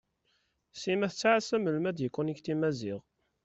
Sima tettɛassa melmi ara d-yekunikti Maziɣ.